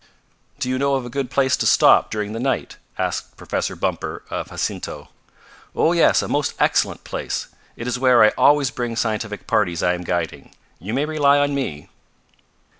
"Do you know of a good place to stop during the night?" asked Professor Bumper of Jacinto. "Oh, yes; a most excellent place. It is where I always bring scientific parties I am guiding. You may rely on me."